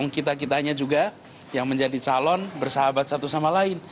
kita kitanya juga yang menjadi calon bersahabat satu sama lain